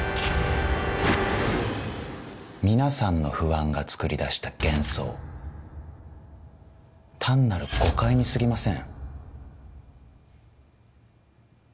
皆さんの不安がつくり出した幻想単なる誤解にすぎません。